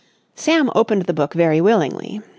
Sam opened the book very willingly.